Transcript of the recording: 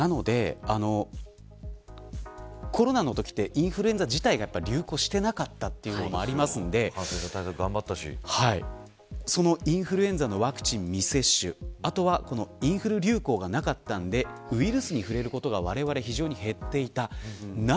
コロナのときはインフルエンザ自体が流行していなかったというのもありますのでインフルエンザのワクチン未接種あとは、インフルエンザ流行がなかったので、ウイルスに触れることがわれわれ非常に減っていた。